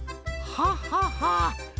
はははあ